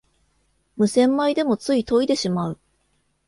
無洗米でもつい研いでしまう